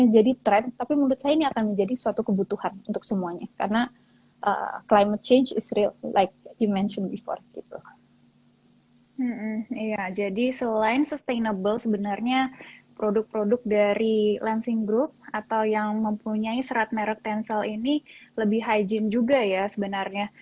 jadi ini lebih hygiene juga ya sebenarnya